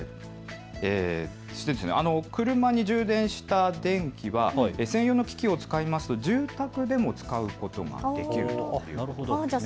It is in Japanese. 車に充電した電気は専用の機器を使うと住宅でも使うことができるということです。